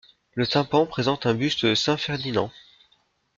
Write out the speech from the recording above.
Le tympan présente un buste de saint Ferdinand.